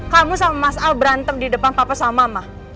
kamu sama mas al berantem di depan papa sama mas